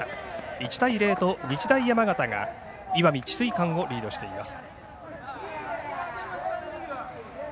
１対０と日大山形が石見智翠館をリードしています。